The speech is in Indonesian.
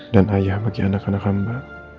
dan ayah bagi anak anak hamba